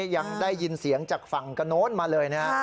ยังได้ยินเสียงจากฝั่งกระโน้นมาเลยนะครับ